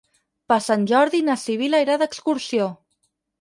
Per Sant Jordi na Sibil·la irà d'excursió.